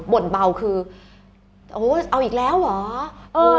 บ่นเบาคือโอ้โหเอาอีกแล้วเหรอ